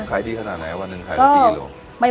ขายดีขนาดไหนวันหนึ่งขายได้กี่กิโล